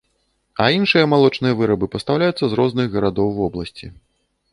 А іншыя малочныя вырабы пастаўляюцца з розных гарадоў вобласці.